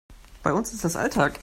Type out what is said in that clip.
Bei uns ist das Alltag.